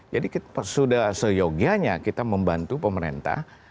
jadi sudah seyogianya kita membantu pemerintah